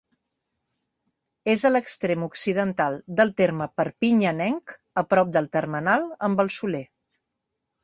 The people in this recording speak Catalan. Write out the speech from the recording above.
És a l'extrem occidental del terme perpinyanenc, a prop del termenal amb el Soler.